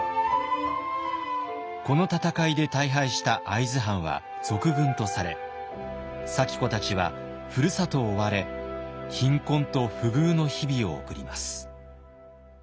この戦いで大敗した会津藩は賊軍とされ咲子たちはふるさとを追われ貧困と不遇の日々を送ります。